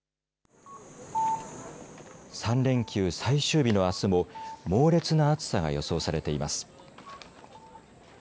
３連休最終日のあすも猛烈な暑さが予想されています。